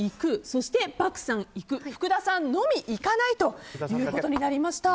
そして漠さん、行く福田さんのみ行かないということになりました。